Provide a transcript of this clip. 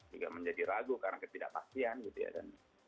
juga menjadi ragu karena ketidakpastian gitu ya dan